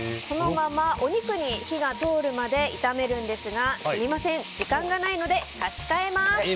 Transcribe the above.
このままお肉に火が通るまで炒めるんですがすみません、時間がないので差し替えます。